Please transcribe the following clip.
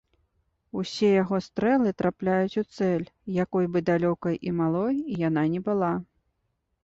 Усе яго стрэлы трапляюць у цэль, якой бы далёкай і малой яна ні была.